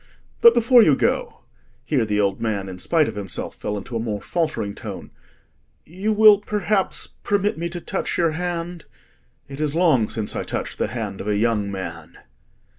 But before you go,"—here the old man, in spite of himself, fell into a more faltering tone—"you will perhaps permit me to touch your hand? It is long since I touched the hand of a young man."